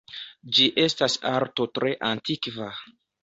Ĝi estas arto tre antikva.